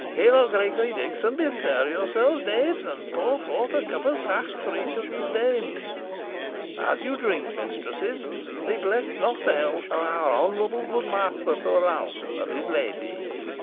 Here, Gregory, Dickon bestir yourselves, knaves, and pour forth a cup of sack for each of these dames. As you drink, mistresses, neglect not the health of our honourable good master Sir Ralph, and his lady.